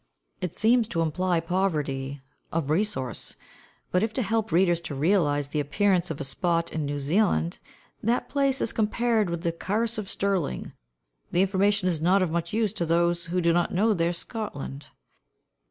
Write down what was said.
It seems to imply poverty of resource; but if to help readers to realise the appearance of a spot in New Zealand, that place is compared with the Carse of Stirling, the information is not of much use to those who do not know their Scotland.